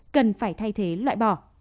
cần phải thay thế loại bỏ